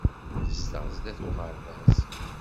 Yezdeɣ sdat uɣerbaz.